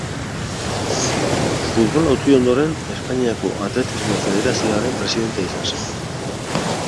Futbola utzi ondoren, Espainiako Atletismo Federazioaren presidentea izan zen.